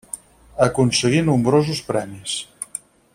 Aconseguí nombrosos premis.